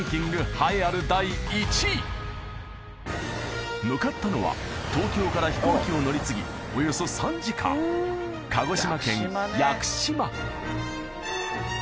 栄えある第１位向かったのは東京から飛行機を乗り継ぎおよそ３時間鹿児島県屋久島